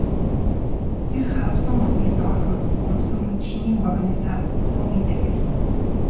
Тэр харвасан одны доохон хөмсөг мэт шинийн гуравны саран сүүмийн тахирлана.